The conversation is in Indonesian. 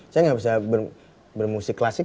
saya nggak bisa bermusik klasik